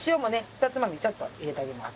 ひとつまみちょっと入れてあげます。